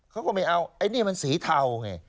เขาก็ไม่เอาไอ้นี่มันสีเทาไง